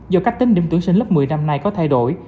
do cách tính điểm tuyển sinh lớp một mươi năm nay có thay đổi